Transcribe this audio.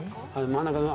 真ん中の。